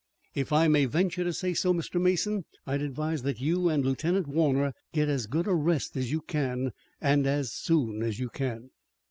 If I may venture to say so, Mr. Mason, I'd advise that you and Lieutenant Warner get as good a rest as you can, and as soon as you can."